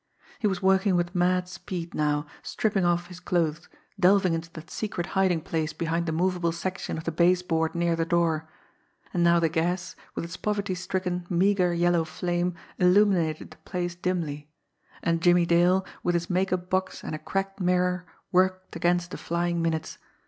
He was working with mad speed now, stripping off his clothes, delving into that secret hiding place behind the movable section of the base board near the door. And now the gas, with its poverty stricken, meagre, yellow flame, illuminated the place dimly and Jimmie Dale, with his make up box and a cracked mirror, worked against the flying minutes.